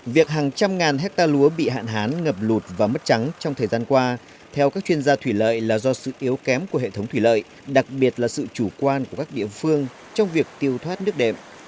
việc hàng trăm ngàn hecta lúa bị hạn hán ngập lụt và mất trắng trong thời gian qua theo các chuyên gia thủy lợi là do sự yếu kém của hệ thống thủy lợi đặc biệt là sự chủ quan của các địa phương trong việc tiêu thoát nước đệm